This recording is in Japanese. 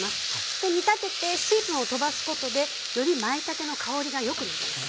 で煮たてて水分を飛ばすことでよりまいたけの香りが良くなります。